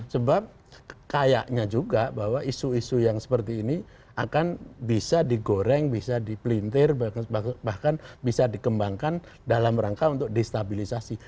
sebab kayaknya juga bahwa isu isu yang seperti ini akan bisa digoreng bisa dipelintir bahkan bisa dikembangkan dalam rangka untuk destabilisasi